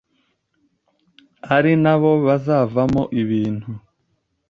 ari nabo bazavamo ibintu